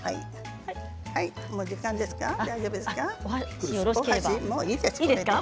もう時間ですか？